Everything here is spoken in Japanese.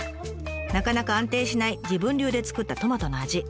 なかなか安定しない自分流で作ったトマトの味。